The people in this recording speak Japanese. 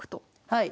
はい。